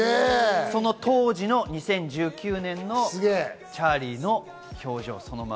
その当時の２０１９年のチャーリーの表情そのまま。